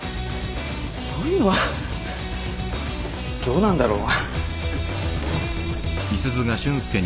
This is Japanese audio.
そういうのはどうなんだろう？